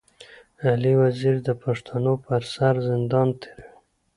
علي وزير د پښتنو پر سر زندان تېروي.